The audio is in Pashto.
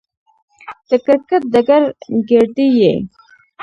د کرکټ ډګر ګيردى يي.